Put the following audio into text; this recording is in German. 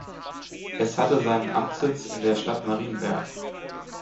Es hatte seinen Amtssitz in der Stadt Marienberg.